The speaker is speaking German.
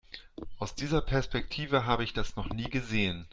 Aus dieser Perspektive habe ich das noch nie gesehen.